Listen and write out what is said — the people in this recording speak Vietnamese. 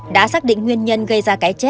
đã xác định nguyên nhân gây ra cái trận